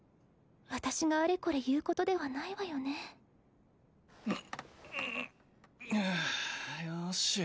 私があれこれ言うことではないわよねうんよーし